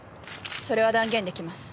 それは断言出来ます。